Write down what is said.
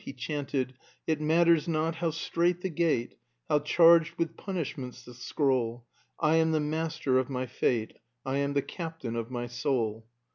He chanted "It matters not how strait the gate, How charged with punishments the scroll, I am the master of my fate; I am the captain of my soul."